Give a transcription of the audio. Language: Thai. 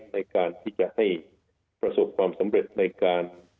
ในการที่จะให้ประสบความสำเร็จในการ